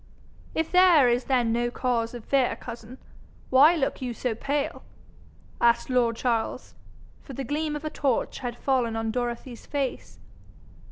'If there is then no cause of fear, cousin, why look you so pale?' asked lord Charles, for the gleam of a torch had fallen on Dorothy's face.